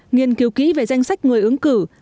nghiên cứu ký về danh sách người ứng cử